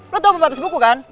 lo tau pembatas buku kan